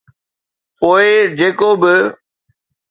پوءِ جيڪو به.